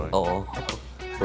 nggak boleh kebanyakan ya